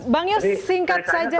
bang yus singkat saja